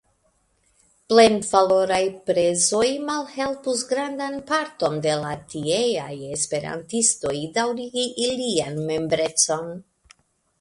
Plenvaloraj prezoj malhelpus grandan parton de la tieaj Esperantistoj daŭrigi ilian membrecon.